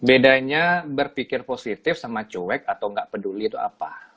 bedanya berpikir positif sama cuek atau enggak peduli itu apa